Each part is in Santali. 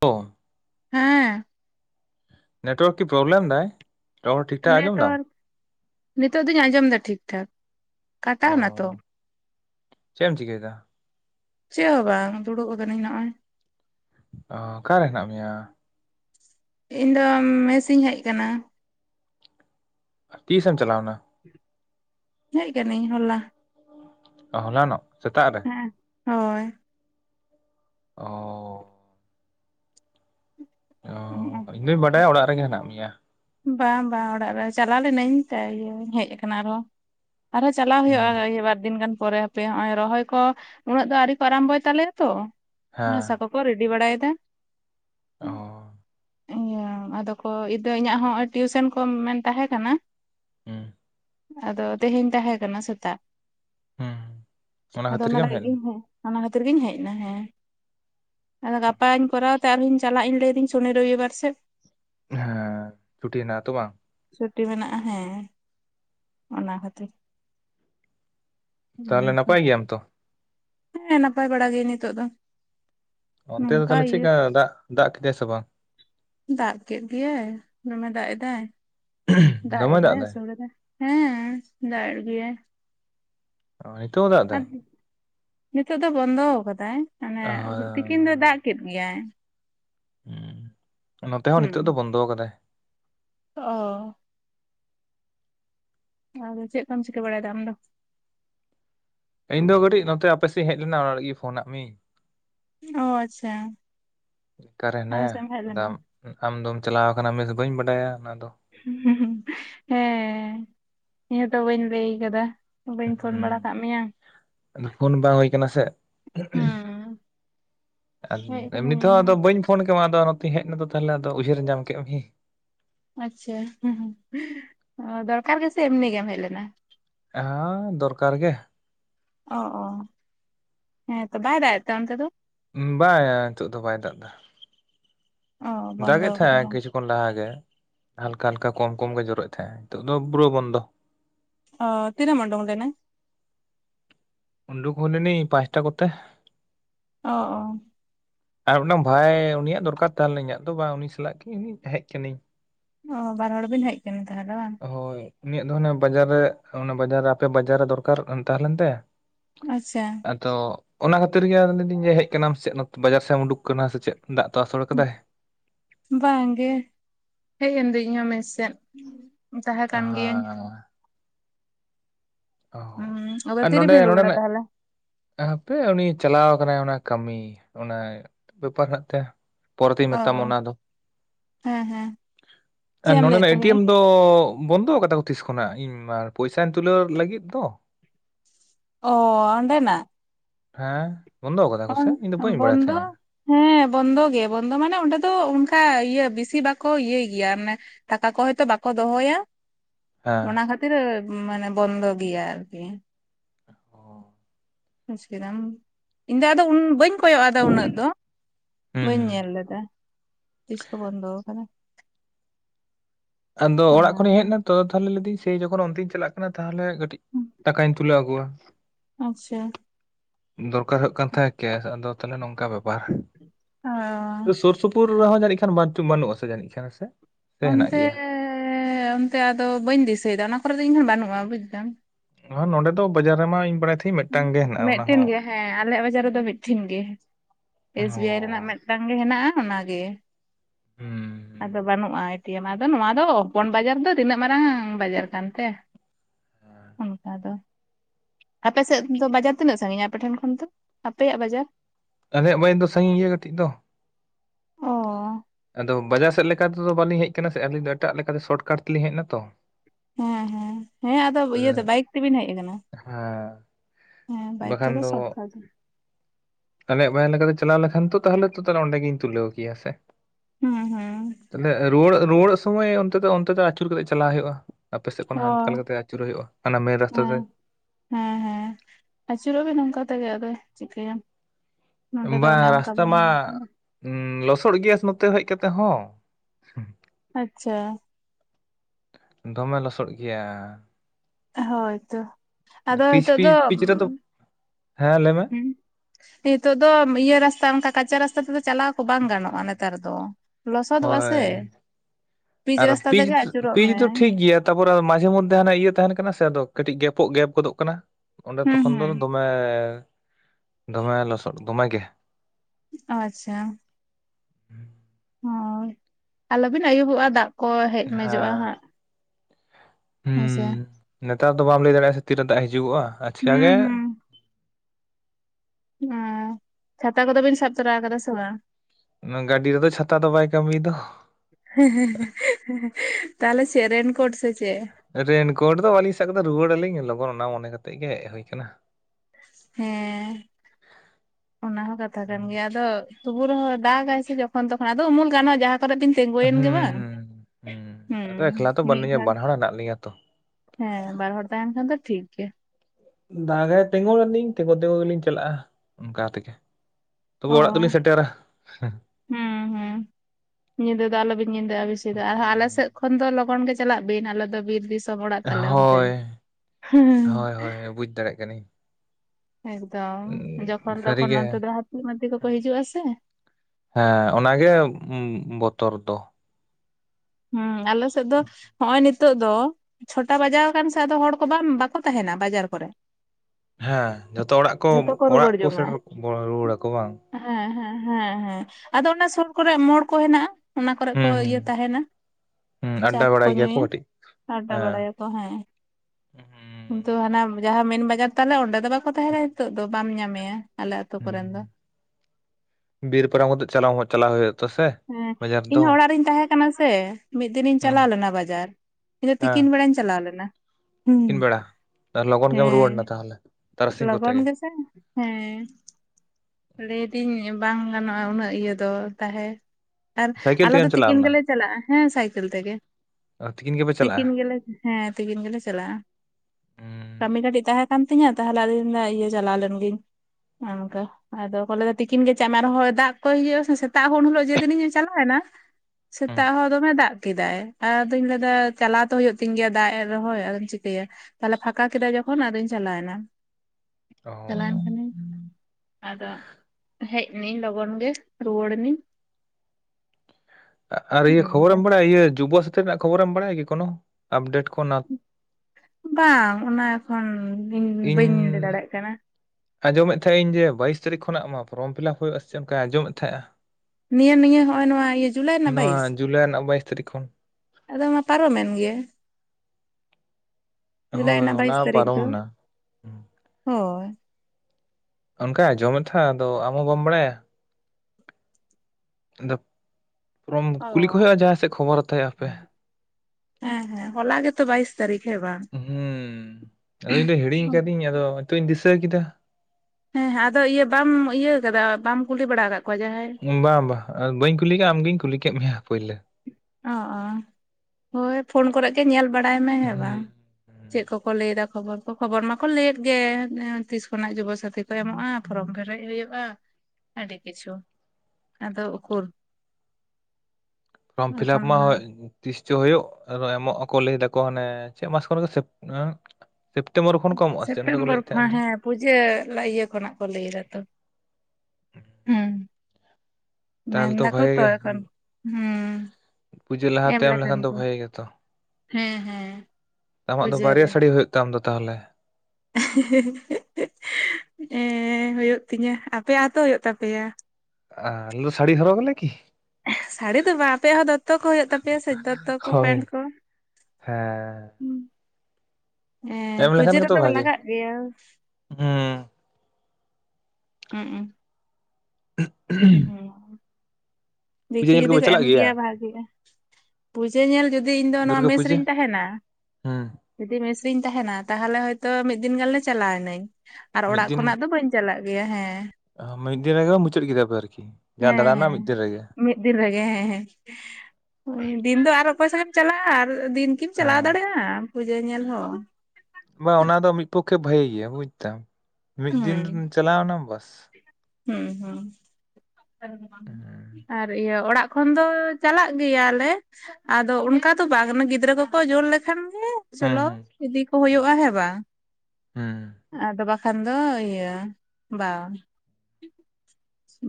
ᱚ ᱦᱮᱸ ᱱᱮᱴᱣᱚᱨᱠ ᱠᱤ ᱯᱨᱳᱵᱞᱮᱢ ᱫᱟᱭ ᱨᱚᱲ ᱴᱷᱤᱠ ᱴᱷᱟᱠ ᱟᱸᱡᱚᱢ ᱫᱟᱢ ᱱᱮᱴᱣᱟᱨᱠ ᱱᱤᱛᱚᱜ ᱫᱩᱧ ᱟᱸᱡᱚᱢᱫᱟ ᱴᱷᱤᱠ ᱴᱷᱟᱠᱼᱼ ᱚ ᱪᱮᱫ ᱮᱢ ᱪᱤᱠᱟᱹᱭᱮᱫᱟ᱾ ᱪᱮᱫ ᱦᱚᱸ ᱵᱟᱝ ᱫᱩᱲᱩᱵ ᱠᱟᱹᱱᱟᱹᱧ ᱱᱚᱜ-ᱚᱭ ᱚ ᱚᱠᱟᱨᱮ ᱦᱮᱱᱟᱜ ᱢᱮᱭᱟ᱾ ᱤᱧ ᱫᱚ ᱢᱮᱥᱤᱧ ᱦᱮᱡ ᱠᱟᱱᱟ᱾ ᱛᱤᱥᱮᱢ ᱪᱟᱞᱟᱣ ᱮᱱᱟ᱾ ᱦᱮᱡ ᱠᱟᱹᱱᱟᱹᱧ ᱦᱚᱞᱟ᱾ ᱚ ᱦᱚᱞᱟᱱᱚᱜ ᱥᱮᱛᱟᱜ ᱨᱮ ᱦᱮᱸ ᱦᱳᱭ ᱚ ᱚ ᱤᱧ ᱫᱩᱧ ᱵᱟᱰᱟᱭᱟ ᱚᱲᱟᱜ ᱨᱮᱜᱮ ᱦᱮᱱᱟᱜ ᱢᱮᱭᱟ᱾ ᱵᱟᱝ ᱵᱟᱝ ᱚᱲᱟᱜ ᱨᱮ ᱪᱟᱞᱟᱣ ᱞᱤᱱᱟᱹᱧ ᱤᱭᱟᱹ ᱦᱮᱡ ᱠᱟᱱᱟ ᱟᱨᱚ ᱟᱨᱦᱚᱸ ᱪᱟᱞᱟᱣ ᱦᱩᱸ ᱦᱩᱭᱩᱜᱼᱟ ᱵᱟᱨ ᱫᱤᱱ ᱜᱟᱱ ᱯᱚᱨᱮᱼᱼ ᱦᱟᱯᱮ ᱦᱚᱜ ᱚᱭ ᱨᱚᱦᱚᱭ ᱠᱚ ᱩᱱᱟᱹᱜ ᱫᱚ ᱟᱣᱨᱤ ᱠᱚ ᱟᱨᱟᱢᱵᱚᱭ ᱛᱟᱞᱮᱭᱟ ᱛᱚ ᱦᱮᱸ ᱦᱟᱥᱟ ᱠᱚᱼᱼ [inaudible] ᱨᱤᱰᱤ ᱵᱟᱲᱟᱭᱮᱫᱟ ᱚ ᱤᱭᱟᱹ ᱟᱫᱚ ᱠᱚ ᱤᱫᱟᱹ ᱤᱧᱟᱹᱜ ᱦᱚᱸ ᱦᱚᱸᱜ ᱚᱭ ᱴᱤᱭᱩᱥᱮᱱ ᱠᱚ ᱢᱮᱱ ᱛᱟᱦᱮᱸ ᱠᱟᱱᱟ᱾ ᱦᱩᱸ ᱟᱫᱚ ᱛᱮᱦᱮᱧ ᱛᱟᱦᱮᱸ ᱠᱟᱱᱟ ᱥᱮᱛᱟᱜ ᱦᱩᱸ ᱟᱫᱚ ᱠᱷᱟᱹᱛᱤᱨ ᱚᱱᱟ ᱜᱮᱢ ᱞᱟᱹᱜᱤᱫ ᱦᱮᱡ ᱜᱩᱧ ᱞᱮᱱᱟ ᱦᱼᱼ ᱚᱱᱟ ᱠᱷᱟᱹᱛᱤᱨ ᱜᱤᱧ ᱦᱮᱡ ᱮᱱᱟ ᱦᱮᱸ ᱟᱫᱚ ᱜᱟᱯᱟᱧ ᱠᱚᱨᱟᱣ ᱛᱮ ᱟᱨᱦᱧ ᱪᱟᱞᱟᱜ ᱤᱧ ᱞᱟᱹᱭᱫᱟᱹᱧ ᱥᱚᱱᱤ ᱨᱚᱵᱤᱵᱟᱨ ᱥᱮᱫᱼᱼ ᱦᱮᱸ ᱪᱷᱩᱴᱤ ᱦᱮᱱᱟᱜᱼᱟ ᱛᱚ ᱵᱟᱝ ᱪᱷᱩᱴᱤ ᱢᱮᱱᱟᱜᱼᱟ ᱦᱮᱸ ᱚᱱᱟ ᱠᱷᱟᱹᱛᱤᱨ ᱛᱟᱦᱚᱞᱮ ᱱᱟᱯᱟᱭ ᱜᱮᱭᱟᱢ ᱛᱚ ᱦᱮᱸ ᱱᱟᱯᱟᱭ ᱵᱟᱲᱟ ᱜᱮ ᱱᱤᱛᱚᱜ ᱫᱚ ᱚᱱᱛᱮ ᱫᱚ ᱱᱚᱝᱠᱟ ᱛᱟᱦᱚᱞᱮ ᱤᱭᱟᱹ ᱪᱮᱫᱠᱟ ᱫᱟᱜ ᱫᱟᱜ ᱠᱮᱫᱮᱭᱟ ᱥᱮ ᱵᱟᱝ ᱫᱟᱜ ᱠᱮᱫ ᱜᱮᱭᱟᱭ ᱫᱚᱢᱮ ᱫᱟᱜ ᱮᱫᱟᱭ ᱫᱟᱜ ᱫᱚᱢᱮ ᱮᱫᱟᱭ ᱫᱟᱭ ᱟᱥᱳᱲ ᱮᱫᱟᱭ ᱦᱮᱸ ᱫᱟᱜ ᱮᱫ ᱜᱮᱭᱟᱭᱼᱼ ᱱᱤᱛᱳ ᱦᱟ ᱟᱨ ᱱᱤᱛᱚᱜ ᱫᱚ ᱵᱚᱱᱫᱚ ᱟᱠᱟᱫᱟᱭ ᱢᱟᱱᱮᱼᱼ ᱛᱤᱠᱤᱱ ᱫᱚᱭ ᱫᱟᱜ ᱠᱮᱫ ᱜᱮᱭᱟᱭ᱾ ᱦᱩᱸ ᱱᱚᱛᱮ ᱦᱚᱸ ᱱᱤᱛᱚᱜ ᱫᱚ ᱵᱚᱱᱫᱚ ᱟᱠᱟᱫᱟᱭ᱾ ᱚᱻ ᱟᱫᱚ ᱪᱮᱫ ᱠᱚᱢ ᱪᱤᱠᱟᱹ ᱵᱟᱲᱟᱭ ᱮᱫᱟ ᱟᱢ ᱫᱚᱼᱼ ᱤᱧ ᱫᱚ ᱠᱟᱹᱴᱤᱡ ᱱᱚᱛᱮ ᱟᱯᱮ ᱥᱮ ᱤᱧ ᱦᱮᱡ ᱞᱮᱱᱟ ᱚᱱᱟ ᱞᱟᱹᱜᱤᱫ ᱯᱷᱳᱱᱟᱜ ᱢᱤᱧ ᱚ ᱟᱪᱪᱷᱟ ᱵᱮᱠᱟᱨ ᱟᱞᱮ ᱦᱮᱱᱟᱭᱟ ᱥᱮᱫ ᱮᱢ ᱦᱮᱡ ᱞᱮᱱᱟ ᱟᱫᱟᱢᱼᱼ ᱟᱢ ᱫᱚᱢ ᱪᱟᱞᱟᱣ ᱟᱠᱟᱱᱟ ᱢᱮᱥ ᱵᱟᱹᱧ ᱵᱟᱰᱟᱭᱟ ᱚᱱᱟ ᱫᱚᱼᱼ [unintelligible] ᱦᱮᱸ ᱤᱭᱟᱹ ᱛᱚ ᱵᱟᱹᱧ ᱞᱟᱹᱭ ᱠᱟᱫᱟ ᱵᱟᱹᱧ ᱯᱷᱳᱱ ᱦᱩᱸ ᱵᱟᱲᱟ ᱟᱠᱟᱫ ᱢᱮᱭᱟ ᱯᱷᱳᱱ ᱵᱟᱝ ᱦᱩᱭ ᱠᱟᱱᱟ ᱥᱮᱼᱼ ᱦᱩᱸ ᱦᱮᱡ ᱮᱢᱱᱤ ᱠᱟᱹᱱᱟᱹᱧ ᱛᱮᱦᱚᱸ ᱤᱧ ᱟᱫᱚ ᱦᱚᱸ ᱵᱟᱹᱧ ᱯᱷᱳᱱ ᱠᱮᱢᱟ ᱟᱫᱚ ᱱᱚᱛᱮᱧ ᱦᱮᱡ ᱮᱱᱟ ᱛᱟᱦᱚᱞᱮ ᱟᱫᱚ ᱩᱭᱦᱟᱹᱨ ᱧᱟᱢ ᱠᱮᱫ ᱢᱤᱭᱟᱹᱧ [unintelligible] ᱟᱪᱪᱷᱟ ᱦᱩᱸ ᱦᱩᱸ ᱫᱚᱨᱠᱟᱨ ᱜᱮᱥᱮ ᱮᱢᱱᱤ ᱜᱮᱢ ᱦᱮᱡ ᱞᱮᱱᱟ ᱦᱮᱸ ᱫᱚᱨᱠᱟᱨ ᱜᱮᱼᱼ ᱚ ᱚ ᱦᱮᱸ ᱛᱚ ᱵᱟᱭ ᱫᱟᱜ ᱮᱫ ᱛᱮ ᱚᱱᱛᱮ ᱫᱚᱼᱼ ᱵᱟᱭᱟ ᱱᱤᱛᱚᱜ ᱫᱚ ᱵᱟᱭ ᱫᱟᱜ ᱮᱫᱟ ᱚ ᱫᱟᱜ ᱵᱚᱱᱫᱚ ᱮ ᱠᱟᱫᱟ ᱛᱟᱦᱮᱭᱟᱭ ᱵᱟᱝ ᱠᱩᱪᱷᱩᱼᱼ ᱠᱷᱚᱱ ᱞᱟᱦᱟ ᱜᱮ ᱦᱟᱞᱠᱟ ᱦᱟᱞᱠᱟ ᱠᱚᱢ ᱠᱚᱢ ᱜᱮ ᱡᱚᱨᱚᱜᱮᱫ ᱛᱟᱦᱮᱸᱜ ᱱᱤᱛᱚᱜ ᱫᱚ ᱯᱩᱨᱟᱹ ᱵᱚᱱᱫᱚ ᱚ ᱛᱤᱨᱮᱢ ᱚᱰᱚᱝ ᱞᱮᱱᱟ ᱩᱸᱰᱩᱠ ᱞᱮᱱᱤᱧ ᱯᱟᱸᱪᱴᱟ ᱠᱚᱛᱮᱼᱼ ᱚ ᱚ ᱟᱨ ᱚᱱᱟ ᱵᱷᱟᱭ ᱩᱱᱤᱭᱟᱜ ᱫᱚᱨᱠᱟᱨ ᱛᱟᱦᱮᱸ ᱞᱮᱱᱟ ᱤᱧᱟᱜ ᱫᱚ ᱵᱟᱝ ᱩᱱᱤ ᱥᱟᱞᱟᱜ ᱜᱮᱧ [unintelligible] ᱚ ᱵᱟᱨ ᱦᱚᱲ ᱵᱤᱱ ᱦᱮᱡ ᱟᱠᱟᱱᱟ ᱛᱟᱦᱚᱞᱮ ᱵᱟᱝᱼᱼ ᱦᱳᱭ ᱩᱱᱤᱭᱟᱹᱜ ᱫᱚ ᱦᱚᱱᱮ ᱵᱟᱡᱟᱨ ᱨᱮ ᱵᱟᱡᱟᱨ ᱨᱮ ᱟᱯᱮ ᱵᱟᱡᱟᱨ ᱨᱮ ᱫᱚᱨᱠᱟᱨ ᱛᱟᱦᱮᱸ ᱞᱮᱱ ᱛᱟᱭᱟ ᱟᱪᱪᱷᱟ ᱟᱫᱚ ᱚᱱᱟ ᱠᱷᱟᱹᱛᱤᱨ ᱜᱮ ᱟᱫᱚ ᱞᱟᱹᱭ ᱫᱤᱧ ᱦᱮᱡ ᱟᱠᱟᱱᱟᱢ ᱥᱮ ᱱᱚᱛᱮ ᱵᱟᱡᱟᱨ ᱥᱮᱫ ᱮᱢ ᱩᱰᱩᱠ ᱟᱠᱟᱱᱟ ᱥᱮ ᱪᱮᱫ ᱫᱟᱜ ᱛᱚ ᱟᱥᱚᱲ ᱠᱟᱫᱟᱭ ᱵᱟᱝ ᱜᱮ ᱦᱮᱡ ᱮᱱ ᱫᱩᱧ ᱦᱚᱸ ᱢᱮᱥ ᱥᱮᱫ ᱛᱟᱦᱮᱸ ᱠᱟᱱ ᱜᱤᱭᱟᱹᱧ ᱚ ᱟᱫᱚ ᱟᱨ ᱱᱚᱰᱮ ᱛᱤᱨᱮᱵᱤᱱ ᱨᱩᱣᱟᱹᱲᱟ ᱱᱚᱰᱮᱱᱟᱜ ᱛᱟᱦᱚᱞᱮ? ᱦᱟᱯᱮ ᱩᱱᱤ ᱪᱟᱞᱟᱣ ᱠᱟᱱᱟᱭ ᱚᱱᱟ ᱠᱟᱹᱢᱤ ᱚᱱᱟ ᱵᱮᱯᱟᱨ ᱦᱮᱱᱟᱜ ᱛᱟᱭᱼᱼ ᱯᱚᱨᱮ ᱛᱮᱧ ᱚ ᱢᱮᱛᱟᱢᱟ ᱚᱱᱟ ᱫᱚ ᱦᱮᱸ ᱦᱮᱸ ᱪᱮᱫ ᱮᱸ ᱮᱢ ᱱᱚᱰᱮ ᱞᱟᱹᱭᱮᱫ ᱱᱟᱜ ᱮ. ᱴᱤ. ᱛᱟᱦᱮᱸᱜᱼᱟ? ᱮᱢ ᱫᱚᱼᱼ ᱛᱚ ᱵᱚᱱᱫᱚ ᱟᱠᱟᱫᱟ ᱠᱚ ᱛᱤᱥ ᱠᱷᱚᱱᱟᱜ ᱤᱧ ᱢᱟ ᱟᱨ ᱯᱚᱭᱥᱟᱧ ᱛᱩᱞᱟᱹᱣ ᱞᱟᱹᱜᱤᱫ ᱫᱚᱼᱼ ᱚᱻ ᱚᱸᱰᱮᱱᱟᱜ ᱦᱮᱸ ᱵᱚᱱᱫᱚ ᱟᱠᱟᱫᱟ ᱠᱚ ᱥᱮ ᱵᱚᱱ- ᱤᱧ ᱫᱚ ᱵᱟᱹᱧ ᱵᱟᱲᱟᱭ ᱵᱚᱱᱫᱚ ᱛᱟᱦᱮᱸᱜᱼᱟ ᱦᱮᱸ ᱵᱚᱱᱫᱚ ᱜᱮ ᱵᱚᱱᱫᱚ ᱢᱟᱱᱮ ᱚᱸᱰᱮ ᱫᱚ ᱚᱱᱠᱟ ᱤᱭᱟᱹ ᱵᱤᱥᱤ ᱵᱟᱠᱚ ᱤᱭᱟᱹᱭ ᱜᱮᱭᱟ ᱢᱟᱱᱮᱜ ᱴᱟᱠᱟ ᱠᱚ ᱦᱚᱭᱛᱚ ᱵᱟᱠᱚ ᱫᱚᱦᱚᱭᱟ ᱦᱮᱸ ᱚᱱᱟ ᱠᱷᱟᱹᱛᱤᱨ ᱢᱟᱱᱮ ᱵᱚᱱᱫᱚ ᱜᱮᱭᱟ ᱟᱨᱠᱤ ᱦᱩᱸ [unintelligible] ᱠᱮᱫᱟᱢ ᱤᱧ ᱫᱚ ᱟᱫᱚ ᱩᱱ ᱵᱟᱹᱧ ᱦᱩᱭᱩᱜ ᱟᱫᱚ ᱩᱱᱟᱹᱜ ᱫᱚ ᱵᱟᱹᱧ ᱦᱩᱸ ᱧᱮᱞ ᱞᱮᱫᱟ ᱛᱤᱥ ᱠᱷᱚᱱ ᱵᱚᱱᱫᱚ ᱟᱠᱟᱫᱟ ᱟᱫᱚ ᱚᱲᱟᱜ ᱠᱷᱚᱱᱤᱧ ᱦᱮᱡ ᱚᱱᱟᱜᱮ᱾ ᱮᱱᱟ ᱛᱚ ᱛᱟᱦᱞᱮ ᱞᱟᱹᱭ ᱫᱟᱹᱧ ᱥᱮᱭ ᱡᱚᱠᱷᱚᱱ ᱚᱱᱛᱮᱧ ᱪᱟᱞᱟᱜ ᱠᱟᱱᱟ ᱛᱟᱦᱚᱞᱮ ᱠᱟᱹᱴᱤᱡ ᱴᱟᱠᱟᱹᱧ ᱛᱩᱞᱟᱹᱣ ᱟᱹᱜᱩᱣᱟ ᱟᱪᱪᱷᱟ ᱫᱚᱨᱠᱟᱨ ᱦᱩᱭᱩᱜ ᱠᱟᱱ ᱛᱟᱦᱮᱸᱫ ᱠᱮᱥ ᱟᱫᱚ ᱛᱟᱦᱚᱞᱮ ᱱᱚᱝᱠᱟ ᱵᱮᱯᱟᱨ ᱚᱸᱻ ᱥᱩᱨ ᱥᱩᱯᱩᱨ ᱨᱮᱦᱚᱸ ᱡᱟᱹᱱᱤᱡ ᱠᱷᱟᱱ ᱵᱟᱹᱱᱩᱜᱼᱟ ᱥᱮ ᱡᱟᱹᱱᱤᱡ ᱠᱷᱟᱱ ᱥᱮ ᱥᱮ ᱦᱮᱱᱟᱜ ᱚᱱᱛᱮᱻ ᱜᱮᱭᱟ ᱚᱱᱛᱮ ᱟᱫᱚ ᱵᱟᱹᱧ ᱫᱤᱥᱟᱹᱭ ᱮᱫᱟ ᱚᱱᱟ ᱠᱚᱨᱮ ᱫᱚ ᱤᱧ ᱦᱚᱸ ᱵᱟᱹᱱᱩᱜᱼᱟ ᱵᱩᱡᱫᱟᱢ ᱦᱚᱸ ᱱᱚᱰᱮ ᱫᱚ ᱵᱟᱡᱟᱨ ᱨᱮᱢᱟ ᱤᱧ ᱵᱟᱲᱟᱭ ᱛᱟᱦᱮᱸ ᱤᱧ ᱢᱤᱫᱴᱟᱝ ᱜᱮ ᱦᱮᱱᱟᱜᱼᱟ ᱚᱱᱟ ᱢᱤᱫᱴᱮᱱ ᱦᱚᱸ ᱜᱮ ᱦᱮᱸ ᱟᱞᱮᱭᱟᱜ ᱵᱟᱡᱟᱨ ᱨᱮᱫᱚ ᱢᱤᱫᱴᱷᱮᱱ ᱜᱮ ᱮᱥ ᱚ ᱵᱤ ᱟᱭ ᱨᱮᱱᱟᱜ ᱢᱤᱫᱴᱟᱝ ᱜᱮ ᱦᱮᱱᱟᱜᱼᱟ ᱚᱱᱟ ᱜᱮ ᱦᱩᱸ ᱟᱫᱚ ᱵᱟᱹᱱᱩᱜᱼᱟ ᱛᱤᱭᱮᱢ ᱱᱚᱣᱟ ᱫᱚ ᱦᱚᱯᱚᱱ ᱵᱟᱡᱟᱨ ᱫᱚ ᱛᱤᱱᱟᱹᱜ ᱢᱟᱨᱟᱝ ᱵᱟᱡᱟᱨ ᱠᱟᱱᱛᱮ ᱚᱱᱠᱟ ᱫᱚ, ᱟᱯᱮᱥᱮᱫ ᱫᱚ ᱵᱟᱡᱟᱨ ᱛᱤᱱᱟᱹᱜ ᱥᱟᱺᱜᱤᱧᱟ? ᱟᱯᱮᱴᱷᱮᱱ ᱠᱷᱚᱱ ᱫᱚ ᱟᱯᱮᱭᱟᱜ ᱵᱟᱡᱟᱨ᱾ ᱟᱞᱮᱭᱟᱜ ᱵᱟᱹᱭ ᱫᱚ ᱥᱟᱺᱜᱤᱧ ᱜᱮᱭᱟ ᱠᱟᱹᱴᱤᱡ ᱫᱚ ᱚᱻ ᱟᱫᱚ ᱵᱟᱡᱟᱨ ᱥᱮᱫ ᱞᱮᱠᱟ ᱛᱮᱫᱚ ᱵᱟᱞᱤᱧ ᱦᱮᱡ ᱟᱠᱟᱱᱟ ᱥᱮ ᱟᱹᱞᱤᱧ ᱫᱚ ᱮᱴᱟᱜ ᱞᱮᱠᱟᱛᱮ ᱥᱚᱨᱴ ᱠᱟᱴ ᱛᱮᱞᱤᱧ ᱦᱮᱡ ᱮᱱᱟ ᱛᱚ ᱦᱮᱸ ᱦᱮᱸ, ᱦᱮᱸ ᱟᱫᱚ ᱤᱭᱟᱹ ᱫᱚ ᱵᱟᱭᱤᱠ ᱛᱮᱵᱤᱱ ᱦᱮᱡ ᱟᱠᱟᱱᱟ? ᱦᱮᱸᱻ ᱦᱮᱸ ᱵᱟᱭᱤᱠ ᱛᱮᱫᱚ ᱥᱚᱴ ᱠᱷᱟᱴ ᱟᱞᱮᱭᱟᱜ ᱵᱟᱭᱟ ᱞᱮᱠᱟᱛᱮ ᱪᱟᱞᱟᱣ ᱞᱮᱠᱷᱟᱱ ᱛᱚ ᱛᱟᱦᱞᱮ ᱛᱚ ᱚᱸᱰᱮ ᱜᱮᱞᱤᱧ ᱛᱩᱞᱟᱹᱣ ᱠᱮᱭᱟ ᱥᱮ, ᱦᱩᱸ ᱦᱩᱸ ᱛᱟᱦᱞᱮ ᱨᱩᱣᱟᱹᱲᱚᱜ ᱨᱩᱣᱟᱹᱲᱚᱜ ᱥᱚᱢᱚᱭ ᱚᱱᱛᱮ ᱫᱚ ᱚᱱᱛᱮ ᱫᱚ ᱟᱹᱪᱩᱨ ᱠᱟᱛᱮᱜ ᱪᱟᱞᱟᱜ ᱦᱩᱭᱩᱜᱼᱟ᱾ ᱟᱯᱮ ᱥᱮᱫ ᱠᱷᱚᱱᱚ ᱦᱚᱸ ᱦᱟᱱᱠᱟ ᱞᱮᱠᱟᱛᱮ ᱟᱹᱪᱩᱨᱚᱜ ᱦᱩᱭᱩᱜᱼᱟ ᱚᱱᱟ ᱢᱮᱱ ᱨᱟᱥᱛᱟ ᱛᱮ᱾ ᱦᱮᱸ ᱦᱮᱸ ᱦᱮᱸ ᱟᱹᱪᱩᱨᱚᱜ ᱵᱤᱱ ᱱᱚᱝᱠᱟ ᱛᱮᱜᱮ ᱟᱫᱚ ᱪᱤᱠᱟᱭᱟᱢ ᱱᱚᱸᱰᱮ ᱫᱚ ᱚᱱᱮ ᱚᱝᱠᱟ ᱵᱚᱱᱫᱚ ᱠᱟᱱ ᱫᱚ᱾ ᱦᱚᱸᱻ ᱞᱚᱥᱚᱫ ᱜᱮᱭᱟ ᱱᱚᱛᱮ ᱦᱮᱡ ᱠᱟᱛᱮᱜ ᱦᱚᱸ ᱟᱪᱪᱷᱟ ᱫᱚᱢᱮ ᱞᱚᱥᱚᱫ ᱜᱮᱭᱟ᱾ ᱦᱳᱭ ᱛᱚ ᱟᱫᱚ ᱯᱤᱪ ᱱᱤᱛᱚᱜ ᱯᱤᱪ ᱫᱚ ᱯᱤᱪ ᱨᱮᱫᱚ ᱦᱮᱸ ᱞᱟᱹᱭ ᱢᱮ ᱦᱩᱸ ᱱᱤᱛᱚᱜ ᱫᱚ ᱤᱭᱟᱹ ᱨᱟᱥᱛᱟ ᱚᱱᱠᱟ ᱠᱟᱪᱟ ᱨᱟᱥᱛᱟ ᱛᱮᱫᱚ ᱪᱟᱞᱟᱣ ᱠᱚ ᱵᱟᱝ ᱜᱟᱱᱚᱜᱼᱟ ᱱᱮᱛᱟᱨ ᱫᱚ ᱞᱚᱥᱚᱫᱚᱜᱼᱟ ᱥᱮ, ᱦᱳᱭ ᱟᱨ ᱨᱟᱥᱛᱟ ᱯᱤᱪ, ᱛᱮᱜᱮ ᱟᱹᱪᱩᱨᱚᱜ ᱯᱤᱡ ᱢᱮ ᱫᱚ ᱴᱷᱤᱠ ᱜᱮᱭᱟ ᱛᱟᱨᱯᱚᱨ ᱢᱟᱡᱷᱮ ᱢᱚᱫᱽᱫᱷᱮ ᱦᱟᱱᱟ ᱤᱭᱟᱹ ᱛᱟᱦᱮᱱ ᱠᱟᱱᱟ ᱥᱮ ᱟᱫᱚ ᱠᱟᱹᱴᱤᱡ ᱜᱮᱯᱚᱜ ᱜᱮᱯ ᱜᱚᱫᱚᱜ ᱠᱟᱱᱟ ᱚᱸᱰᱮ ᱦᱩᱸ ᱛᱚᱠᱷᱚᱱ ᱦᱩᱸ ᱫᱚ ᱢᱮᱭ ᱫᱚᱢᱮ ᱞᱚᱥᱚᱫ ᱫᱚᱢᱮᱜᱮ ᱟᱪᱪᱷᱟ ᱦᱳᱭ ᱟᱞᱚᱵᱤᱱ ᱟᱹᱭᱩᱵᱚᱜᱼᱟ ᱫᱟᱜ ᱠᱚ ᱦᱮᱡ ᱢᱮᱡᱚᱜᱼᱟ ᱦᱮᱸ ᱦᱟᱸᱜ᱾ ᱦᱳᱸᱭ ᱥᱮ, ᱦᱩᱸ ᱱᱮᱛᱟᱨ ᱫᱚ ᱵᱟᱢ ᱞᱟᱹᱭ ᱫᱟᱲᱮᱭᱟᱜᱼᱟ ᱥᱮ ᱛᱤᱨᱮ ᱫᱟᱜ ᱦᱤᱡᱩᱜᱚᱜᱼᱟ ᱟᱪᱠᱟ ᱦᱩᱸ ᱜᱮ ᱦᱩᱸ ᱦᱸ ᱪᱷᱟᱛᱟ ᱠᱚᱫᱚ ᱵᱤᱱ ᱥᱟᱵ ᱛᱚᱨᱟ ᱠᱟᱫᱟ ᱥᱮ ᱵᱟᱝ? ᱜᱟᱹᱰᱤ ᱨᱮᱫᱚ ᱪᱷᱟᱛᱟ ᱫᱚ ᱵᱟᱭ ᱠᱟᱹᱢᱤᱭᱮᱫ ᱫᱚ ᱦᱮᱸ ᱦᱮᱸ ᱦᱮᱸ ᱦᱮᱸ ᱛᱟᱦᱚᱞᱮ ᱪᱮᱫ ᱨᱮᱱᱠᱳᱴ ᱥᱮ ᱪᱮᱫ? ᱨᱮᱱᱠᱳᱴ ᱫᱚ ᱣᱟᱹᱞᱤᱧ ᱥᱟᱵ ᱠᱟᱫᱟ ᱨᱩᱣᱟᱹᱲ ᱟᱹᱞᱤᱧ ᱞᱚᱜᱚᱱ ᱚᱱᱟ ᱢᱚᱱᱮ ᱠᱟᱛᱮᱜ ᱜᱮ ᱦᱮᱜ ᱦᱩᱭ ᱟᱠᱟᱱᱟ᱾ ᱦᱮᱸᱻ ᱚᱱᱟ ᱦᱚᱸ ᱠᱟᱛᱷᱟ ᱠᱟᱱ ᱜᱮᱭᱟ ᱟᱫᱚ ᱛᱚᱵᱩ ᱨᱮᱦᱚᱸ ᱫᱟᱜᱟᱭ ᱥᱮ ᱡᱚᱠᱷᱚᱱ ᱛᱚᱠᱷᱚᱱ ᱟᱫᱚ ᱩᱢᱩᱞ ᱜᱟᱱᱚᱜᱼᱟ ᱡᱟᱦᱟᱸ ᱠᱚᱨᱮ ᱵᱤᱱ ᱛᱤᱸᱜᱩᱭᱮᱱ ᱜᱮ ᱦᱩᱸ ᱵᱟᱝ ᱦᱩᱸ ᱦᱩᱸ ᱟᱫᱚ ᱮᱠᱞᱟ ᱛᱚ ᱢᱤᱫ ᱵᱟᱹᱱᱩᱧᱟ ᱜᱷᱟᱹᱲ ᱵᱟᱱ ᱦᱚᱲ ᱦᱮᱱᱟᱜ ᱞᱤᱧᱟ ᱛᱚ ᱦᱮᱸ ᱵᱟᱨ ᱦᱚᱲ ᱛᱟᱦᱮᱱ ᱠᱷᱟᱱ ᱫᱚ ᱴᱷᱤᱠ ᱜᱮ ᱫᱟᱜᱟᱭ ᱛᱤᱸᱜᱩᱱ ᱟᱞᱤᱧ ᱛᱤᱸᱜᱩ ᱛᱤᱸᱜᱩ ᱜᱮᱞᱤᱧ ᱪᱟᱞᱟᱜᱼᱟ ᱚᱱᱠᱟ ᱛᱮᱜᱮ ᱛᱚᱵᱩ ᱚ ᱚᱲᱟᱜ ᱫᱚᱞᱤᱱᱧ ᱥᱮᱴᱮᱨᱟ᱾ ᱦᱩᱸ ᱦᱩᱸ ᱧᱤᱫᱟᱹ ᱫᱚ ᱟᱞᱚᱵᱤᱱ ᱧᱤᱫᱟᱹᱜ ᱟ ᱵᱮᱥᱤ ᱫᱚ ᱟᱨ ᱟᱞᱮᱥᱮᱫ ᱠᱷᱚᱱ ᱫᱚ ᱞᱚᱜᱚᱱ ᱜᱮ ᱪᱟᱞᱟᱜ ᱵᱤᱱ ᱟᱞᱮ ᱫᱚ ᱵᱤᱨ ᱫᱤᱥᱚᱢ ᱥᱚᱢ ᱵᱟᱲᱟᱜ ᱛᱟᱞᱮ ᱚᱱᱛᱮ ᱾ ᱦᱳᱭ ᱦᱳᱭ ᱦᱳᱭ ᱵᱩᱡᱽ ᱫᱟᱲᱮᱭᱟᱜ ᱠᱟᱱᱟᱹᱧ᱾ ᱮᱠᱫᱚᱢ ᱡᱚᱠᱷᱚᱱ ᱛᱚᱠᱷᱚᱱ ᱥᱟᱹᱨᱤᱜᱮ ᱚᱱᱛᱮ ᱫᱚ ᱦᱟᱹᱛᱤ ᱢᱟᱛᱤ ᱠᱚᱠᱚ ᱦᱤᱡᱩᱜᱼᱟ ᱥᱮ᱾ ᱦᱮᱸ ᱚᱱᱟᱜᱮ ᱵᱚᱛᱚᱨ ᱫᱚ᱾ ᱦᱮᱸ ᱟᱞᱮ ᱥᱮᱫ ᱫᱚ ᱦᱚᱸᱜᱼᱚᱭ ᱱᱤᱛᱚᱜ ᱫᱚ, ᱪᱷᱚᱴᱟ ᱵᱟᱡᱟᱣ ᱟᱠᱟᱱ ᱥᱮ ᱟᱫᱚ ᱦᱚᱲ ᱠᱚ ᱵᱟᱝ ᱵᱟᱠᱚ ᱛᱟᱦᱮᱱᱟ ᱵᱟᱡᱟᱨ ᱠᱚᱨᱮ᱾ ᱦᱮᱸ ᱡᱚᱛᱚ ᱚᱲᱟᱜ ᱠᱚ ᱡᱷᱚᱛᱚ ᱚᱲᱟᱜ ᱨᱩᱣᱟᱹᱲ ᱠᱚ ᱡᱚᱝᱟ ᱥᱮᱴᱮᱨ ᱨᱩᱣᱟᱹᱲᱟᱠᱚ ᱵᱟᱝ ᱦᱮᱸ ᱦᱮᱸ ᱦᱮᱸ ᱦᱮᱸ ᱟᱫᱚ ᱚᱱᱟ ᱥᱩᱨ ᱠᱚᱨᱮ ᱢᱳᱲ ᱠᱚ ᱦᱮᱱᱟᱜᱼᱟ ᱚᱱᱟ ᱠᱚᱨᱮ ᱠᱚ ᱦᱩᱸ ᱦᱩᱸ ᱤᱭᱟᱹ ᱛᱟᱦᱮᱱᱟ᱾ ᱦᱩᱸ ᱪᱟ ᱟᱰᱰᱟ ᱠᱚᱠᱚ ᱵᱟᱲᱟᱭ ᱜᱮᱭᱟ ᱠᱚ ᱧᱩᱭᱟ ᱠᱟᱹᱴᱤᱡ ᱟᱨᱰᱟᱟᱣ ᱵᱟᱲᱟᱭᱟᱠᱚ ᱦᱮᱸ ᱦᱮᱸ ᱠᱤᱱᱛᱩ ᱦᱟᱱᱟ ᱡᱟᱦᱟᱸ ᱢᱮᱱ ᱵᱟᱡᱟᱨ ᱛᱟᱞᱮ ᱚᱸᱰᱮ ᱫᱚ ᱵᱟᱠᱚ ᱛᱟᱦᱮᱸᱟᱸᱱᱟ ᱱᱤᱛᱚᱜ ᱫᱚ ᱵᱟᱢ ᱧᱟᱢᱮᱭᱟ ᱟᱞᱮ ᱟᱛᱩᱳ ᱠᱚᱨᱮᱱ ᱫᱚᱼᱼ ᱦᱩᱸ ᱵᱤᱨ ᱯᱟᱨᱚᱢ ᱠᱟᱛᱮᱮᱫ ᱪᱟᱞᱟᱣ ᱦᱚᱸ ᱪᱟᱞᱟᱣ ᱦᱩᱭᱩᱜᱼᱟ᱾ ᱦᱮᱸ ᱤᱧ ᱦᱚᱸ ᱚᱲᱟᱜ ᱨᱤᱧ ᱛᱟᱦᱮᱸ ᱠᱟᱱᱟ ᱥᱮ ᱢᱤᱫ ᱫᱤᱱ ᱤᱧ ᱦᱩᱸ ᱪᱟᱞᱟᱣ ᱞᱮᱱᱟ ᱵᱟᱡᱟᱨ ᱤᱧ ᱫᱚ ᱛᱤᱠᱤᱱ ᱵᱮᱲᱟᱧ ᱪᱟᱞᱟᱣ ᱞᱮᱱᱟ᱾ ᱛᱤᱱ ᱵᱮᱲᱟ ᱟᱨ ᱞᱚᱜᱚᱱ ᱠᱢ ᱨᱩᱣᱟᱹᱲ ᱦᱮᱸ ᱱᱟ ᱛᱟᱦᱚᱞᱮᱼᱼ ᱞᱚᱜᱚᱱ ᱜᱮᱥᱮ ᱦᱮᱸ ᱞᱟᱹᱭᱫᱤᱧ ᱵᱟᱝ ᱜᱟᱱᱚᱜᱼᱟ ᱩᱱᱟᱹᱜ ᱤᱭᱟᱹ ᱫᱚ ᱛᱟᱦᱮᱸᱼᱼ ᱟᱨ ᱥᱟᱭᱠᱮᱞ ᱟᱞᱮ ᱫᱚ ᱛᱮᱜᱮᱢ ᱪᱟᱞᱟᱣ ᱛᱤᱠᱤᱱ ᱞᱮᱱᱟ ᱜᱮᱞᱮ ᱪᱟᱞᱟᱜᱼᱟ ᱦᱮᱸ ᱥᱟᱭᱠᱮᱞ ᱛᱮᱜᱮᱼᱼ ᱜᱮᱯᱮ ᱪᱟᱞᱟᱜᱼᱟ ᱛᱤᱠᱤᱱ ᱜᱮᱞᱮ ᱦᱮᱸ ᱛᱤᱠᱤᱱ ᱜᱮᱞᱮ ᱪᱟᱞᱟᱜᱼᱟ ᱠᱟᱹᱢᱤ ᱠᱟᱹᱴᱤᱡ ᱛᱟᱦᱮᱸ ᱠᱟᱱᱟᱱ ᱛᱤᱧᱟᱹ ᱛᱟᱦᱚᱞᱮ ᱫᱤᱱ ᱤᱭᱟᱹ ᱪᱟᱞᱟᱣ ᱞᱮᱱ ᱜᱤᱧ ᱚᱱᱠᱟ᱾ ᱟᱫᱚ ᱠᱚ ᱞᱟᱹᱭᱟ ᱛᱤᱠᱤᱱ ᱜᱮ ᱪᱟᱜ ᱢᱮ ᱨᱮᱦᱚᱸ ᱫᱟᱜ ᱠᱚ ᱦ ᱦᱩᱭᱩᱜᱼᱟ ᱥᱮᱛᱟᱜ ᱩᱱ ᱦᱤᱞᱳᱜ ᱡᱮᱫᱤᱱᱤ ᱤᱧᱚᱜ ᱪᱟᱞᱟᱣᱮᱱᱟ᱾ ᱥᱮᱛᱟᱜ ᱦᱚᱸ ᱫᱚᱢᱮ ᱫᱟᱜ ᱠᱮᱫᱟᱭ ᱟᱫᱚᱧ ᱞᱟᱹᱭᱫᱟ ᱪᱟᱞᱟᱣ ᱛᱳ ᱦᱩᱭᱩᱜᱳ ᱛᱤᱧ ᱜᱮᱭᱟ ᱫᱟᱜ ᱮᱜ ᱨᱮᱚᱦᱚᱸ ᱟᱚᱢ ᱪᱤᱠᱟᱹᱭᱟ᱾ ᱛᱟᱦᱞᱮ ᱯᱷᱟᱸᱠᱟ ᱠᱮᱫᱟ ᱡᱚᱠᱷᱚᱱ ᱟᱫᱚᱧ ᱪᱟᱞᱟᱣᱮᱱᱟ᱾ ᱪᱟᱞᱟᱣᱮᱱ ᱚ ᱠᱟᱹᱹᱧ ᱟᱫᱚ ᱦᱮᱡ ᱱᱟᱹᱧ ᱞᱚᱜᱚᱱ ᱜᱮ ᱨᱩᱣᱟᱹᱲ ᱮᱱᱟᱹᱧᱼᱼ [inaudible] ᱟᱨ ᱤᱭᱟᱹ ᱚᱱᱠᱟ ᱠᱷᱚᱵᱚᱨᱮᱢ ᱵᱟᱲᱟᱭᱟ ᱡᱩᱵ ᱥᱟᱛᱮ ᱨᱮᱱᱟᱜ ᱠᱷᱚᱵᱚᱨᱮᱢ ᱵᱟᱲᱟᱭᱟ ᱠᱤ ᱠᱳᱱᱳ ᱟᱯᱰᱮᱴ ᱠᱚᱱᱟᱜᱼᱼ ᱵᱟᱝ ᱚᱱᱟ ᱮᱠᱷᱚᱱ ᱤᱧ ᱵᱟᱹᱧ ᱞᱟᱹᱭ ᱤᱧ ᱫᱟᱲᱮᱭᱟᱜ ᱠᱟᱱᱟ᱾ ᱟᱸᱡᱚᱢᱮᱫ ᱛᱟᱦᱮᱸᱱᱟ ᱤᱧ ᱡᱮ ᱵᱟᱭᱤᱥ ᱛᱟᱹᱨᱤᱠᱷ ᱠᱷᱚᱱᱟᱜ ᱢᱟ ᱯᱷᱚᱨᱚᱢ ᱯᱷᱤᱞᱟᱯ ᱦᱩᱭᱩᱜᱼᱟ ᱥᱮ ᱪᱮᱫ ᱚᱱᱠᱟᱟᱭ ᱟᱸᱡᱚᱢᱮᱫ ᱛᱟᱦᱮᱸᱜᱼᱟ᱾ ᱱᱤᱭᱟᱹ ᱱᱤᱭᱟᱹ ᱦᱚᱸᱜᱚᱭ ᱱᱚᱣᱟ ᱡᱩᱞᱟᱭ ᱨᱮᱱᱟᱜ ᱱᱚᱣᱟ ᱵᱟᱭᱤᱥ ᱡᱩᱞᱟᱭ ᱨᱮᱱᱟᱜ ᱵᱟᱭᱤᱥ ᱛᱟᱹᱨᱤᱠᱷ ᱠᱷᱚᱱ ᱟᱫᱚ ᱢᱟ ᱯᱟᱨᱚᱢᱮᱱ ᱜᱮ ᱡᱩᱞᱟᱭ ᱦᱳᱭ ᱨᱮᱱᱟᱜ ᱦᱚᱞᱟ ᱵᱟᱭᱤᱥ ᱛᱟᱹᱨᱤᱠᱷ ᱫᱚ ᱯᱟᱨᱚᱢᱱᱟ ᱦᱳᱭ ᱚᱱᱠᱟ ᱟ ᱡᱚᱢᱮᱫ ᱛᱟᱦᱮᱸ ᱟᱫᱚ ᱟᱢ ᱦᱚᱸ ᱵᱟᱢ ᱵᱟᱲᱟᱭᱟ᱾ ᱟᱫᱚ ᱯᱷᱨᱚᱢ ᱠᱩᱞᱤ ᱠᱚ ᱚ ᱦᱩᱭᱩᱜᱼᱟ ᱡᱟᱦᱟᱸ ᱥᱮᱫ ᱠᱷᱚᱵᱚᱨ ᱦᱟᱛᱟᱭ ᱟᱯᱮ ᱦᱮᱸ ᱦᱮᱸ ᱦᱚᱞᱟ ᱜᱮᱛᱚ ᱵᱟᱭᱤᱥ ᱛᱟᱹᱨᱤᱠᱷ ᱦᱮ ᱵᱟᱝ ᱦᱸ ᱟᱫᱚ ᱤᱧ ᱫᱚ ᱦᱤᱲᱤᱧ ᱚ ᱟᱠᱟᱫᱤᱧ ᱟᱫᱚ ᱱᱤᱛᱚᱜ ᱤᱧ ᱫᱤᱥᱟᱹ ᱠᱮᱫᱟ᱾ ᱦᱮᱸ ᱦᱮᱸ ᱟᱫᱚ ᱤᱭᱟᱹ ᱵᱟᱢ ᱤᱭᱟᱹ ᱠᱟᱫᱟ ᱵᱟᱢ ᱠᱩᱞᱤ ᱵᱟᱲᱟ ᱟᱠᱟᱫ ᱠᱚᱣᱟ ᱡᱟᱦᱟᱸᱭ ᱵᱟᱝ ᱵᱟᱝ ᱵᱟᱹᱧ ᱠᱩᱞᱤ ᱠᱮᱫᱟᱜᱼᱟ ᱟᱢᱜᱤᱧ ᱠᱩᱞᱤ ᱠᱮᱫ ᱢᱮᱭᱟ ᱯᱩᱭᱭᱞᱳ ᱚ ᱦᱳᱭ ᱯᱷᱳᱱ ᱠᱚᱨᱮ ᱜᱮ ᱧᱮᱞ ᱵᱟᱲᱟᱭ ᱢᱮ ᱦᱮᱸ ᱵᱟᱝᱼᱼ ᱦᱩᱸ ᱪᱮᱫ ᱠᱚᱠᱚ ᱞᱟᱹᱭ ᱮᱟ ᱠᱷᱚᱵᱚᱨ ᱠᱚ ᱠᱷᱚᱵᱚᱨ ᱢᱟᱠᱚ ᱞᱟᱹᱭᱮᱫ ᱼᱼᱜᱮ ᱛᱤᱥ ᱠᱷᱚᱱᱟᱜ ᱡᱩᱵᱚᱥᱛᱷᱤ ᱮᱢᱚᱜᱼᱟ ᱯᱷᱚᱨᱚᱢ ᱯᱮᱨᱮᱡ ᱦᱩᱭᱩᱜᱼᱟ ᱟᱹᱰᱤ ᱠᱤᱪᱷᱩ ᱟᱫᱚ ᱩᱠᱩᱨ ᱯᱷᱳᱨᱢ ᱯᱷᱤᱞᱯ ᱮᱠᱷᱚᱱ ᱢᱟ ᱚᱱᱟ [inaudible] ᱛᱤᱥᱪᱚ ᱦᱩᱭᱩᱜ ᱟ ᱮᱢᱚᱜ ᱟᱠᱚ ᱞᱟᱹᱭ ᱫᱟᱠᱚ ᱦᱟᱱᱮ ᱪᱮᱫ ᱢᱟᱥ ᱠᱷᱚᱱᱨᱮ ᱥᱮᱯᱴᱮᱢᱵᱚᱨ ᱠᱷᱚᱱ ᱠᱚᱢᱚᱜᱼᱟ ᱥᱮ ᱚᱱᱠᱟ ᱠᱚ ᱥᱮᱯᱴᱮᱢᱵᱚᱨ ᱞᱟᱹᱭᱮᱫ ᱠᱷᱚᱱ ᱛᱟᱦᱮᱸᱫ ᱫᱚᱼᱼ ᱦᱮᱸ ᱯᱩᱡᱟᱹ ᱤᱭᱟᱹ ᱠᱷᱚᱱᱟᱜ ᱠᱚ ᱞᱟᱹᱭ ᱫᱟᱛᱚ ᱦᱮᱸ ᱢᱮᱱ ᱛᱟᱦᱚᱞᱮ ᱫᱟᱠᱚ ᱵᱷᱟᱜᱮ ᱛᱚ ᱜᱮ ᱮᱠᱷᱚᱱ ᱦᱩᱸ ᱯᱩᱡᱟᱹ ᱞᱟᱦᱟᱛᱮ ᱮᱢ ᱞᱮᱠᱷᱟᱱ ᱫᱚ ᱵᱷᱟᱹᱜᱮ ᱜᱮᱭᱟᱛᱚᱼᱼ ᱦᱮᱸ ᱦᱮᱸ ᱟᱢᱟᱜ ᱫᱚ ᱯᱩᱡᱟᱹ ᱵᱟᱨᱭᱟ ᱨᱮ ᱥᱟᱹᱲᱤ ᱦᱩᱭᱩᱜ ᱛᱟᱢ ᱫᱚ ᱛᱟᱦᱚᱞᱮᱼᱼ [inaudible] ᱦᱮᱸ ᱦᱩᱭᱩᱜ ᱛᱤᱧᱟᱹ ᱟᱯᱮᱭᱟᱜᱛᱳ ᱦᱩᱭᱩᱜ ᱛᱟᱯᱮᱭᱟ᱾ ᱟ ᱥᱟᱲᱤ ᱦᱚᱨᱚᱜᱣᱟᱞᱮ ᱠᱤ ᱮᱦ ᱥᱟᱹᱲᱤ ᱫᱚ ᱵᱟᱝ ᱟᱯᱮᱭᱟᱜ ᱦᱚᱸ ᱫᱚᱛᱚ ᱠᱚ ᱦᱩᱭᱩᱜ ᱛᱟᱯᱮᱭᱟ ᱥᱮ ᱫᱚᱛᱚ ᱠᱚ ᱯᱮᱱᱴ ᱠᱚ? ᱦᱮᱸᱻ ᱮᱸ ᱯᱩᱡᱟᱹ ᱨᱮᱫᱚ ᱠᱚ ᱞᱟᱜᱟᱜ ᱜᱮᱭᱟ᱾ ᱦᱮᱸ, ᱦᱩᱸᱜ ᱩᱸ, [unintelligible] ᱯᱩᱡᱟᱹ ᱫᱮᱠᱷᱤ ᱧᱮᱞ ᱡᱩᱫᱤ ᱠᱚᱯᱮ ᱠᱚ ᱮᱢ ᱪᱟᱞᱟᱜ ᱜᱮᱭᱟ ᱠᱮᱭᱟ ᱵᱷᱟᱜᱮ ᱜᱟ᱾ ᱯᱩᱡᱟᱹ ᱧᱮᱞ ᱡᱩᱫᱤ ᱤᱧ ᱫᱚ ᱱᱚᱣᱟ ᱫᱩᱨᱜᱟᱹ ᱢᱮᱥ ᱯᱩᱡᱟᱹ ᱨᱤᱧ ᱛᱟᱦᱮᱸᱱᱟ ᱦᱩᱸ ᱡᱩᱫᱤ ᱢᱮᱥ ᱨᱤᱧ ᱛᱟᱦᱮᱸᱱᱟ ᱛᱟᱦᱚᱞᱮ ᱦᱚᱭᱛᱚ ᱢᱤᱫ ᱫᱤᱱ ᱜᱟᱱ ᱞᱮ ᱪᱟᱞᱟᱣ ᱮᱱᱟᱹᱧ᱾ ᱟᱨ ᱚᱲᱟᱜ ᱠᱷᱚᱱᱟᱜ ᱫᱚ ᱵᱟᱹᱧ ᱪᱟᱞᱟᱜ ᱜᱮᱭᱟ ᱦᱮᱸ᱾ ᱚᱦᱚ ᱢᱤᱫ ᱫᱤᱱ ᱨᱮᱜᱮ ᱢᱩᱪᱟᱹᱫ ᱠᱮᱫᱟ ᱯᱮ ᱟᱨᱠᱤ᱾ ᱡᱟᱦᱟᱸ ᱦᱮᱸ ᱫᱟᱬᱟᱱᱟ ᱦᱮᱸ, ᱢᱤᱫ ᱫᱤᱱ ᱨᱮᱜᱮ ᱢᱤᱫ- ᱫᱤᱱ ᱨᱮᱜᱮ ᱦᱮᱸ ᱦᱮᱸ, ᱦᱳᱭ ᱫᱤᱱ ᱫᱚ ᱟᱨ ᱚᱠᱚᱭ ᱥᱟᱝ ᱮᱢ ᱪᱟᱞᱟᱜᱼᱟ ᱟᱨ ᱫᱤᱱ ᱠᱤᱢ ᱪᱟᱞᱟᱣ ᱦᱮᱸ ᱫᱟᱲᱮᱜᱼᱟ ᱯᱩᱡᱟᱹ ᱧᱮᱞ ᱦᱚᱸ? ᱵᱟᱝᱼᱟ, ᱚᱱᱟ ᱫᱚ ᱢᱤᱫ ᱯᱚᱠᱠᱷᱮ ᱵᱷᱟᱹᱜᱤ ᱜᱮᱭᱟ ᱵᱩᱡ ᱫᱟᱢ, ᱢᱤᱫ ᱫᱤᱱ ᱦᱩᱸ ᱤᱱ ᱪᱟᱞᱟᱣᱮᱱᱟᱢ ᱵᱟᱥ᱾ ᱦᱩᱸ ᱦᱩᱸ, ᱦᱩᱸ ᱟᱨ ᱤᱭᱟᱹ ᱚᱲᱟᱜ ᱠᱷᱚᱱ ᱫᱚᱻ ᱪᱟᱞᱟᱜ ᱜᱮᱭᱟᱞᱮ, ᱟᱫᱚ ᱚᱱᱠᱟ ᱫᱚ ᱵᱟᱝ, ᱚᱱᱟ ᱜᱤᱫᱽᱨᱟᱹ ᱠᱚᱠᱚ ᱡᱳᱨ ᱞᱮᱠᱷᱟᱱ ᱜᱮ ᱦᱩᱸ ᱪᱚᱞᱚ, ᱦᱩᱸ ᱤᱫᱤ ᱠᱚ ᱦᱩᱭᱩᱜᱼᱟ ᱦᱮᱸ ᱵᱟᱝ? ᱦᱮᱸ ᱟᱫᱚ ᱵᱟᱠᱷᱟᱱ ᱫᱚ ᱤᱭᱟᱹ, ᱵᱟᱝ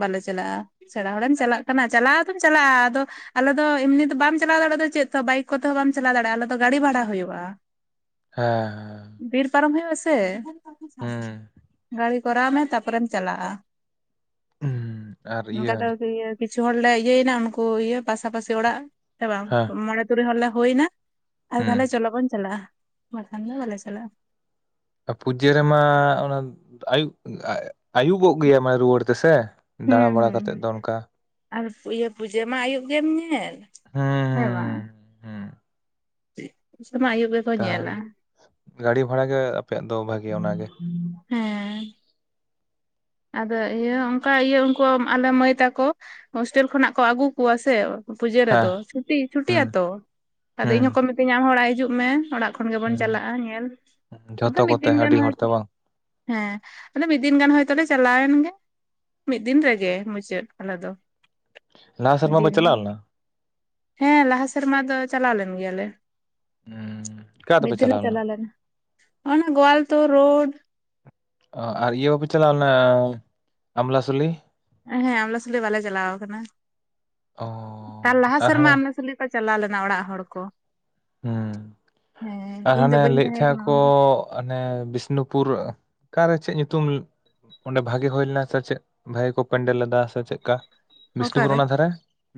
ᱵᱟᱞᱮ ᱪᱟᱞᱟᱜᱼᱟ, ᱥᱮᱬᱟ ᱦᱚᱲᱮᱢ ᱪᱟᱞᱟᱜ ᱠᱟᱱᱟ ᱪᱟᱞᱟᱣ ᱫᱚᱢ ᱪᱟᱞᱟᱜᱼᱟ ᱟᱫᱚ ᱟᱞᱮ ᱫᱚ ᱮᱢᱱᱤ ᱫᱚ ᱵᱟᱢ ᱪᱟᱞᱟᱣ ᱫᱟᱲᱮᱜᱼᱟ ᱪᱮᱫ ᱛᱮ ᱦᱚ, ᱵᱟᱭᱤᱠ ᱠᱚᱛᱮ ᱦᱚᱸ ᱵᱟᱢ ᱪᱟᱞᱟᱣ ᱫᱟᱲᱮᱭᱟᱜᱼᱟ ᱟᱞᱮ ᱫᱚ ᱜᱟᱹᱰᱤ ᱵᱷᱟᱲᱟ ᱦᱩᱭᱩᱜᱼᱟ᱾ ᱦᱮᱸ ᱦᱮᱸ, ᱵᱤᱨ ᱯᱟᱨᱚᱢ ᱦᱩᱭᱩᱜᱼᱟ ᱥᱮ, ᱦᱩᱸ ᱜᱟᱹᱲᱤ ᱠᱚᱨᱟᱣ ᱢᱮ ᱛᱟᱯᱚᱨᱮᱢ ᱪᱟᱞᱟᱜᱼᱟ᱾ ᱦᱩᱸ ᱟᱨ ᱤᱭᱟᱹ ᱱᱚᱸᱠᱟ ᱫᱚ ᱠᱤ ᱤᱭᱟᱹ ᱠᱤᱪᱷᱩ ᱦᱚᱲ ᱞᱮ ᱤᱭᱟᱹᱭᱮᱱᱟ ᱩᱱᱠᱩ ᱤᱭᱟᱹ ᱯᱟᱥᱟᱯᱟᱹᱥᱮ ᱚᱲᱟᱜ ᱥᱮ ᱵᱟᱝ, ᱦᱮᱸ ᱢᱚᱬᱮ ᱛᱩᱨᱩᱭ ᱦᱚᱲ ᱞᱮ ᱦᱩᱭ ᱮᱱᱟ, ᱟᱨ ᱦᱩᱸ ᱛᱟᱦᱮᱞᱮ ᱪᱚᱞᱚ ᱵᱚᱱ ᱪᱟᱞᱟᱜᱼᱟ ᱵᱟᱠᱷᱟᱱ ᱫᱚ ᱵᱟᱞᱮ ᱪᱟᱞᱟᱜᱼᱟ᱾ ᱟ ᱯᱩᱡᱟᱹ ᱨᱮᱢᱟ ᱩᱱᱟᱹᱻᱫ ᱟᱹᱭᱩᱜ, ᱟ ᱟᱹᱭᱩᱵᱚᱜ ᱜᱮᱭᱟ ᱢᱟᱱᱮ ᱨᱩᱣᱟᱹᱲ ᱛᱮ ᱥᱮ? ᱦᱩᱸ ᱦᱩᱸ ᱦᱩᱸ, ᱟᱨ ᱯᱩ ᱤᱭᱟᱹ ᱯᱩᱡᱟᱹ ᱢᱟ ᱟᱹᱭᱩᱵ ᱜᱮᱢ ᱧᱮᱞ, [unintelligible] ᱦᱮᱸ ᱦᱩᱸ ᱵᱟᱝ? ᱦᱩᱸ ᱪᱮᱜ, ᱩᱱ ᱥᱚᱢᱚᱭ ᱟᱹᱭᱩᱵ ᱜᱮᱵᱽ ᱛᱟ ᱦᱟᱞ ᱜᱟᱹᱰᱤ ᱵᱷᱟᱲᱟ ᱜᱮ ᱟᱯᱮᱭᱟᱜ ᱫᱚ ᱵᱷᱟᱹᱜᱤᱭᱟ ᱚᱱᱟᱜᱮ᱾ ᱦᱮᱸ ᱟᱫᱚ ᱤᱭᱟᱹ ᱚᱸᱠᱟ ᱤᱭᱟᱹ ᱩᱸᱠᱳ ᱟᱞᱮ ᱢᱟᱹᱭ ᱛᱟᱠᱚ ᱦᱳᱥᱴᱮᱞ ᱠᱷᱚᱱᱟᱜ ᱠᱚ ᱟᱜᱩ ᱠᱚᱣᱟ ᱥᱮ ᱯᱩᱡᱟᱹ ᱦᱮᱸ ᱨᱮᱫᱚ ᱪᱷᱩᱴᱤ ᱪᱷᱩᱴᱤᱜ ᱦᱩᱸ ᱟᱛᱚ ᱟᱫᱚ ᱦᱩᱸ ᱤᱧ ᱦᱚᱸᱠᱚ ᱢᱤᱛᱟᱹᱧᱟ ᱟᱢ ᱦᱚᱸ ᱚᱲᱟᱜ ᱦᱤᱡᱩᱜ ᱢᱮ ᱚᱲᱟᱜ ᱠᱷᱚᱱ ᱜᱮᱵᱚᱱ ᱦᱩᱸ ᱪᱟᱞᱟᱜᱼᱟ ᱧᱮᱞ, ᱟᱫᱚ ᱡᱷᱚᱛᱚ ᱢᱤᱫ ᱠᱚᱛᱮ ᱫᱤᱱ ᱜᱟᱱ ᱟᱹᱰᱤ ᱦᱚᱲ ᱛᱚ ᱦᱚᱭᱛᱚ ᱵᱟᱝ ᱦᱮᱸ, ᱟᱫᱚ ᱢᱤᱫ ᱫᱤᱱ ᱜᱟᱱ ᱦᱚᱭ- ᱛᱚᱵᱮ ᱪᱟᱞᱟᱣᱮᱱ ᱜᱮ ᱢᱤᱫ ᱫᱤᱱ ᱨᱮᱜᱮ ᱢᱩᱪᱟᱹᱫ ᱟᱞᱮ ᱫᱚ᱾ ᱱᱟᱦᱟ ᱥᱮᱨᱢᱟ ᱯᱮ ᱫᱤᱱ ᱫᱚ ᱪᱟᱞᱟᱣ ᱞᱮᱱᱟ? ᱦᱮᱸ ᱞᱟᱦᱟ ᱥᱮᱨᱢᱟ ᱫᱚ ᱪᱟᱞᱟᱣ ᱞᱮᱱ ᱜᱮᱭᱟᱞᱮ, ᱢᱤᱫ ᱫᱤᱱ ᱞᱮ ᱪᱟᱞᱟᱣ ᱞᱮᱱᱟ᱾ ᱮᱱᱟ ᱜᱳᱣᱟᱞ ᱛᱳ ᱨᱳᱰ ᱚ ᱟᱨ ᱤᱭᱟᱹ ᱵᱟᱯᱮ ᱪᱟᱞᱟᱣ ᱞᱮᱱᱟ, ᱟᱢᱞᱟᱥᱩᱞᱤ? ᱦᱮᱸ ᱟᱢᱞᱟᱥᱩᱞᱤ ᱵᱟᱞᱮ ᱪᱟᱞᱟᱣ ᱟᱠᱟᱱᱟ, ᱚ ᱛᱟᱨ ᱞᱟᱦᱟ ᱟᱨ ᱥᱮᱨᱢᱟ ᱦᱟᱱᱮ ᱟᱢᱞᱟᱥᱩᱞᱤ ᱞᱮ ᱪᱟᱞᱟᱣ ᱞᱮᱱᱟ ᱚᱲᱟᱜ ᱦᱚᱲ ᱠᱚ᱾ ᱦᱮᱸ, ᱦᱮᱸ ᱟ ᱤᱧ ᱫᱚ ᱦᱟᱱᱮ ᱵᱟᱹᱧ ᱞᱟᱹᱭᱮᱫ ᱛᱟᱦᱮᱸ ᱠᱟᱱᱟ ᱩᱱᱫᱚ ᱠᱚᱻᱜ ᱚᱱᱮ ᱵᱤᱥᱱᱩᱯᱩᱨ ᱟᱻᱠᱟᱨᱮ ᱪᱮᱜ ᱧᱩᱛᱩᱢ ᱚᱸᱰᱮ ᱵᱷᱟᱜᱮ ᱦᱩᱭ ᱞᱮᱱᱟ ᱥᱮ ᱪᱮᱜ ᱵᱷᱟᱹᱜᱤ ᱠᱚ ᱯᱮᱱᱰᱮᱞ ᱞᱮᱫᱟ ᱥᱮ ᱪᱮᱫ ᱞᱮᱠᱟ ᱵᱤᱥᱱᱩᱯᱩᱨ ᱚᱠᱟᱨᱮ ᱚᱱᱟ ᱫᱷᱟᱨᱮ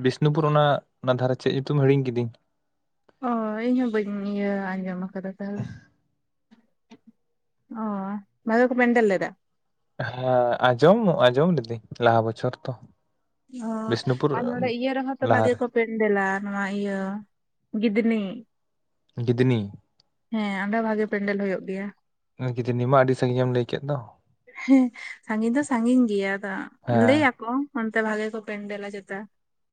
ᱵᱤᱥᱱᱩᱯᱩᱨ ᱚᱱᱟ ᱚᱱᱟ ᱫᱷᱟᱨᱮ ᱪᱮᱫ ᱧᱩᱛᱩᱢ ᱦᱤᱲᱤᱧ ᱠᱤᱫᱟᱹᱧ᱾ ᱚ ᱤᱧ ᱦᱚᱸ ᱵᱟᱹᱧ ᱤᱭᱟᱹ ᱟᱸᱡᱚᱢ ᱟᱠᱟᱫᱟ ᱛᱟᱦᱚᱞᱮ᱾ ᱚ ᱵᱷᱟᱜᱮ ᱠᱚ ᱯᱮᱱᱰᱮᱞ ᱞᱮᱫᱟ᱾ ᱦᱮᱸ ᱟᱸᱡᱚᱢᱚᱜ ᱟᱸᱡᱚᱢ ᱞᱤᱫᱟᱹᱧ ᱞᱟᱦᱟ ᱵᱚᱪᱷᱚᱨ ᱛᱚ᱾ ᱚ ᱵᱤᱥᱱᱩᱯᱩᱨ ᱟᱨ ᱱᱚᱰᱮ ᱤᱭᱟᱹ ᱨᱮᱦᱚᱸ ᱛᱚ ᱵᱷᱟᱜᱮ ᱞᱟᱦᱟᱨᱮ ᱠᱚ ᱯᱮᱱᱰᱮᱞᱟ ᱱᱚᱣᱟ ᱤᱭᱟᱹ ᱜᱤᱫᱽᱱᱤ᱾ ᱜᱤᱫᱽᱱᱤ ᱦᱮᱸ ᱚᱸᱰᱮ ᱵᱷᱟᱜᱮ ᱯᱮᱱᱰᱮᱞ ᱦᱳᱭᱳᱜ ᱜᱮᱭᱟ᱾ ᱜᱤᱫᱷᱱᱤ ᱢᱟ ᱟᱹᱰᱤ ᱥᱟᱺᱜᱤᱧᱮᱢ ᱞᱟᱹᱭ ᱠᱮᱫ ᱫᱚ᱾ ᱦᱮᱸ ᱥᱟᱺᱜᱤᱧ ᱫᱚ ᱥᱟᱺᱜᱤᱧ ᱜᱮᱭᱟ ᱟᱫᱚ ᱦᱮᱸ ᱞᱟᱹᱭᱟᱠᱚ ᱚᱱᱛᱮ ᱵᱷᱟᱜᱮ ᱠᱚ ᱯᱮᱱᱰᱮᱞᱟ ᱪᱮᱛᱟ᱾